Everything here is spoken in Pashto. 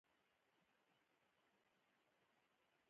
ډرامه د شعر ترڅنګ مخته ځي